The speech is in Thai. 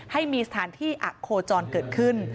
ให้มีสถานที่อโคจรเกิดขึ้น